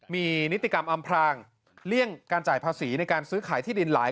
มีนิติกรรมอำพลางเลี่ยงการจ่ายภาษีในการซื้อขายที่ดินหลาย